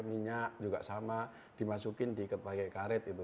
minyak juga sama dimasukin di pakai karet itu